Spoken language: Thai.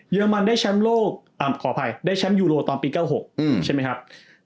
เยอร์มันได้แชมป์โลกอ้าวขออภัยได้แชมป์ยูโรตอนปีเก้าหกใช่มั้ยครับ